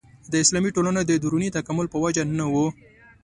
د اسلامي ټولنو د دروني تکامل په وجه نه وه.